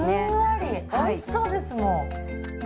おいしそうですもう。